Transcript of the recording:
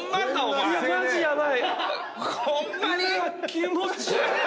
気持ち悪い。